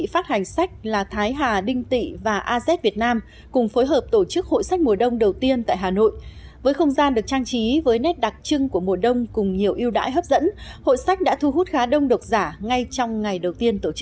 hội sách đã thu hút khá đông độc giả ngay trong ngày đầu tiên tổ chức